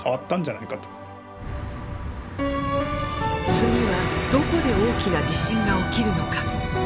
次はどこで大きな地震が起きるのか。